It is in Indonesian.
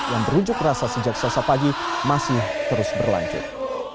yang berujuk rasa sejak selesai pagi masih terus berlanjut